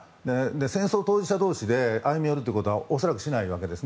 戦争当事者同士で歩み寄ることはしないわけです。